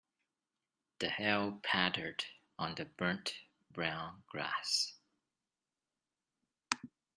The hail pattered on the burnt brown grass.